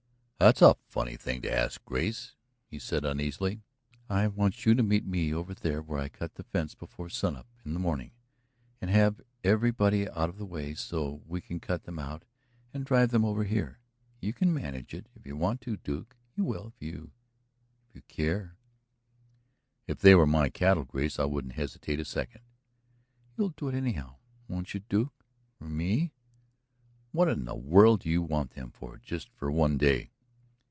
"That's a funny thing to ask, Grace," said he uneasily. "I want you to meet me over there where I cut the fence before sunup in the morning, and have everybody out of the way, so we can cut them out and drive them over here. You can manage it, if you want to, Duke. You will, if you if you care." "If they were my cattle, Grace, I wouldn't hesitate a second." "You'll do it, anyhow, won't you, Duke, for me?" "What in the world do you want them for, just for one day?"